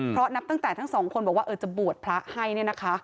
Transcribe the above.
เพราะนับตั้งแต่ทั้งสองคนบอกว่าจะบวชพระให้เนี่ยนะคะ